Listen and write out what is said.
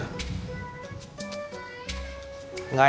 gak enak kalo gak ada dia